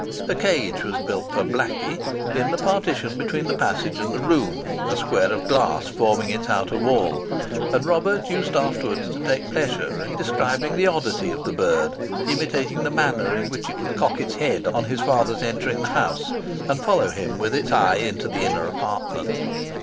A cage was built for "blackie" in the partition between the passage and the room, a square of glass forming its outer wall; and Robert used afterwards to take pleasure in describing the oddity of the bird, imitating the manner in which it would cock its head on his father's entering the house, and follow him with its eye into the inner apartment.